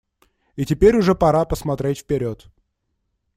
И теперь уже пора посмотреть вперед.